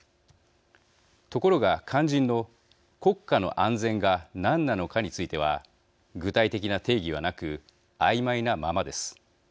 ところが、肝心の国家の安全が何なのかについては具体的な定義はなくあいまいなままです。